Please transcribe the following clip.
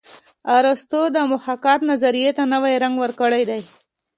ارستو د محاکات نظریې ته نوی رنګ ورکړی دی